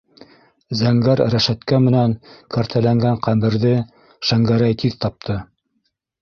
Зәңгәр рәшәткә менән кәртәләнгән ҡәберҙе Шәңгәрәй тиҙ тапты.